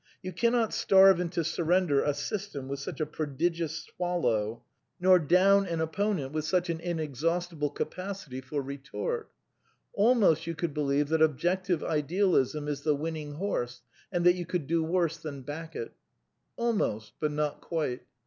You cannot starve into surren der a system with such a prodigious "swallow," nor 120 A DEFENCE OF IDEALISM ^' down " an opponent with such an inexhaustihle capacity for retort Almost you could believe that Objective Idealism is the winning horse^ and that you could do worse than back it. Almost, but not quite.